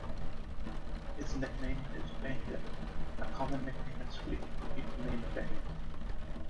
His nickname is "Bengan", a common nickname in Sweden for people named Bengt.